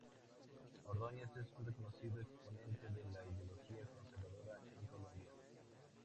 Ordóñez es un reconocido exponente de la ideología conservadora en Colombia.